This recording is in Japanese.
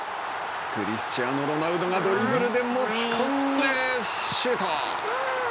クリスチアーノ・ロナウドがドリブルで持ち込んでシュート。